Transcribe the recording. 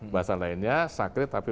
bahasa lainnya sakrit tapi